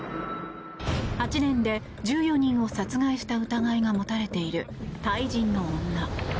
８年で１４人を殺害した疑いが持たれているタイ人の女。